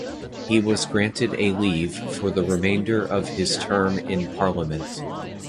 He was granted a leave for the remainder of his term in parliament.